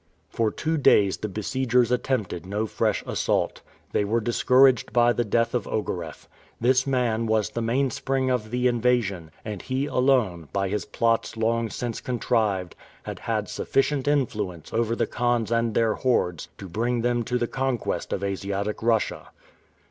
For two days the besiegers attempted no fresh assault. They were discouraged by the death of Ogareff. This man was the mainspring of the invasion, and he alone, by his plots long since contrived, had had sufficient influence over the khans and their hordes to bring them to the conquest of Asiatic Russia.